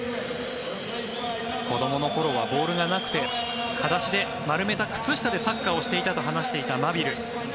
子どもの頃はボールがなくて裸足で、丸めた靴下でサッカーをしていたと話していたマビル。